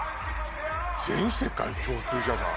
全世界共通じゃない。